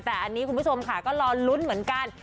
แต่อันนี้คุณผู้ชมค่ะก็รอลุ้นเหมือนกัน